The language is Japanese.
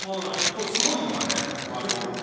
これすごいのがねあの。